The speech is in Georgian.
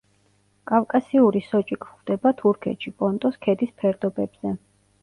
კავკასიური სოჭი გვხვდება თურქეთში, პონტოს ქედის ფერდობებზე.